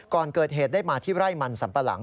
ก่อนเกิดเหตุได้มาที่ไร่มันสัมปะหลัง